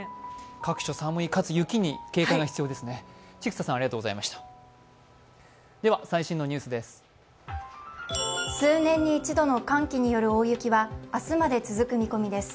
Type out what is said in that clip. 各所、寒い、かつ雪に警戒が必要ですね。